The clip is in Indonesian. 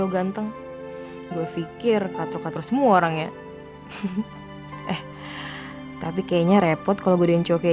waalaikumsalam warahmatullahi wabarakatuh